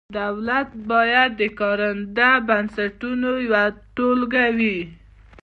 دولت باید د کارنده بنسټونو یوه ټولګه وي.